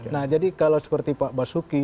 nah jadi kalau seperti pak basuki